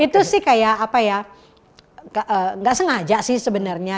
itu sih kayak apa ya nggak sengaja sih sebenarnya